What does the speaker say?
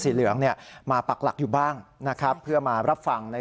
เหลืองเนี่ยมาปักหลักอยู่บ้างนะครับเพื่อมารับฟังใน